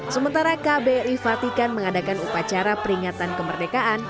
sementara kbri fatikan mengadakan upacara peringatan kemerdekaan